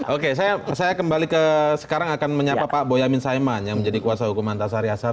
oke saya kembali ke sekarang akan menyapa pak boyamin saiman yang menjadi kuasa hukum antasari asar